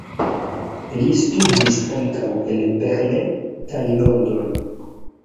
Li studis ankaŭ en Berlin kaj London.